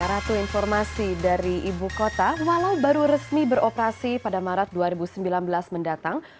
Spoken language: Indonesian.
ratu informasi dari ibu kota walau baru resmi beroperasi pada maret dua ribu sembilan belas mendatang